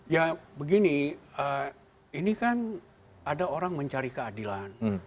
ya begini ini kan ada orang mencari keadilan